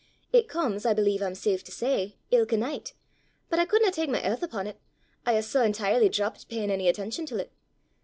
It comes, I believe I'm safe to say, ilka nicht; but I couldna tak my aith upo' 't, I hae sae entirely drappit peyin' ony attention til 't.